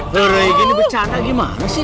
berurah gini becanda gimana sih